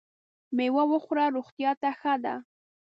مېوه وخوره ! روغتیا ته ښه ده .